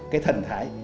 cái thần thái